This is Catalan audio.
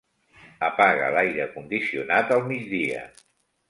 Apaga l'aire condicionat al migdia.